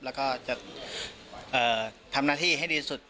แล้วก็จะทำหน้าที่ให้ดีสุด